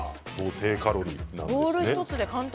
低カロリーなんです。